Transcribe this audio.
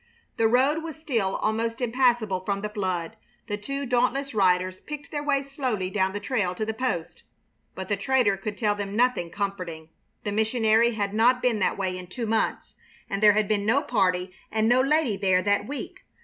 The road was still almost impassable from the flood; the two dauntless riders picked their way slowly down the trail to the post. But the trader could tell them nothing comforting. The missionary had not been that way in two months, and there had been no party and no lady there that week.